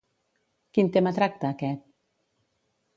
Quin tema tracta aquest?